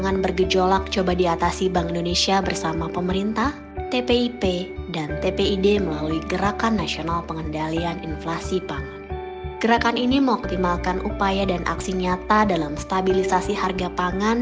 gerakan ini mengoptimalkan upaya dan aksi nyata dalam stabilisasi harga pangan